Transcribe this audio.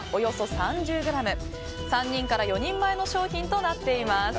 ３人から４人前の商品となっています。